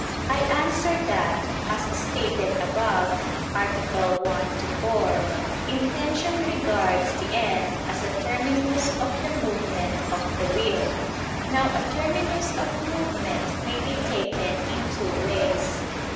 I answer that, As stated above (A. 1, ad 4), intention regards the end as a terminus of the movement of the will. Now a terminus of movement may be taken in two ways.